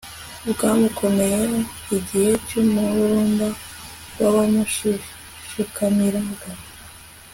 bwamukomeyeho igihe cy'umururumba w'abamushikamiraga